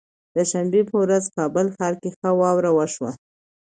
د شنبه به ورځ کابل ښار کې ښه واوره وشوه